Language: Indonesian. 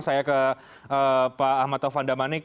saya ke pak ahmad taufan damanik